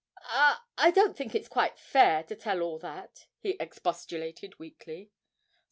'I I don't think it's quite fair to tell all that,' he expostulated weakly.